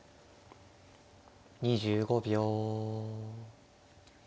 ２５秒。